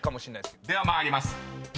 ［では参ります。